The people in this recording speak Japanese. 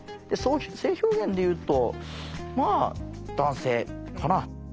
性表現で言うとまあ男性かな。